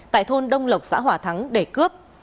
tại thôn đông lộc xã hòa thắng để cướp